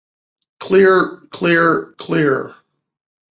Clear, clear, clear.